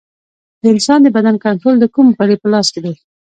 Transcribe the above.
د انسان د بدن کنټرول د کوم غړي په لاس کې دی